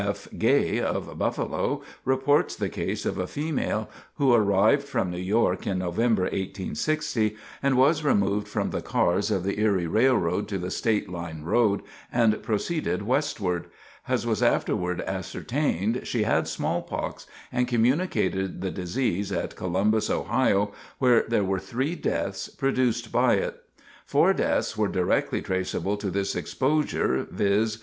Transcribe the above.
F. Gay, of Buffalo, reports the case of a female, who arrived from New York in November, 1860, and was removed from the cars of the Erie Railroad to the State Line Road, and proceeded westward. As was afterward ascertained, she had smallpox, and communicated the disease at Columbus, Ohio, where there were three deaths produced by it. Four deaths were directly traceable to this exposure, viz.